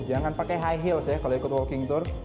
jangan pakai high heels ya kalau ikut walking tour